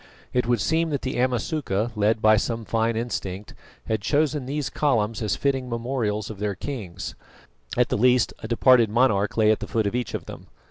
It would seem that the Amasuka, led by some fine instinct, had chosen these columns as fitting memorials of their kings, at the least a departed monarch lay at the foot of each of them.